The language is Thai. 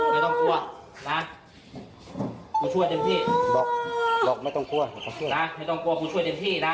มีคนทำร้ายดูว่าเชฟพูดมา